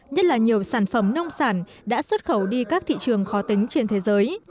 nhất là nhiều sản phẩm nông sản đã xuất khẩu đi các thị trường khó tính trên thế giới